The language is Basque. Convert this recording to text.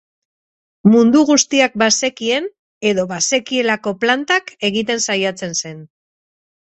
Mundu guztiak bazekien edo bazekielako plantak egiten saiatzen zen.